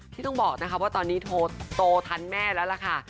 ที่ต้องบอกนะคะว่าตอนนี้โตทันแม่แล้วล่ะค่ะ